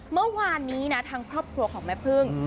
เมื่อวานนี้นะทางครอบครัวของแม่พึ่ง